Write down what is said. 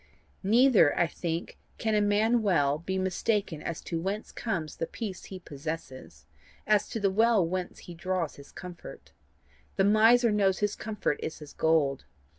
Neither I think can a man well be mistaken as to whence comes the peace he possesses, as to the well whence he draws his comfort. The miser knows his comfort is his gold.